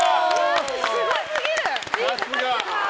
すごすぎる！